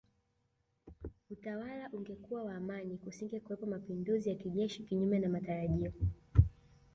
Utawala ungekuwa wa amani kusingekuwepo mapinduzi ya kijeshi Kinyume na matarajio